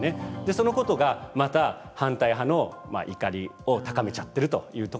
そのことがまた反対派の怒りを高めちゃっている